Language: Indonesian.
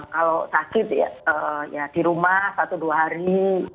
kalau sakit ya di rumah satu dua hari